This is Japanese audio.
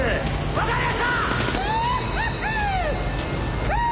分かりました！